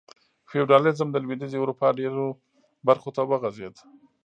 فیوډالېزم د لوېدیځې اروپا ډېرو برخو ته وغځېد.